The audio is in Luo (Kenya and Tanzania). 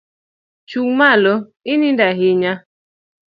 Chung malo , inindo ahinya